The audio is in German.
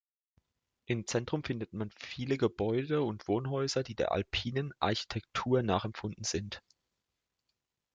Im Zentrum findet man viele Gebäude und Wohnhäuser, die der alpinen Architektur nachempfunden sind.